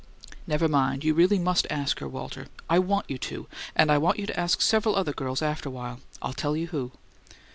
"Never mind. You really must ask her, Walter. I want you to; and I want you to ask several other girls afterwhile; I'll tell you who."